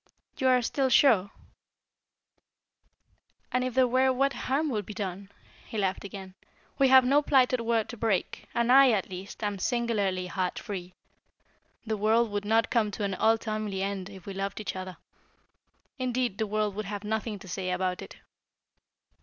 "You are still sure?" "And if there were, what harm would be done?" he laughed again. "We have no plighted word to break, and I, at least, am singularly heart free. The world would not come to an untimely end if we loved each other. Indeed, the world would have nothing to say about it."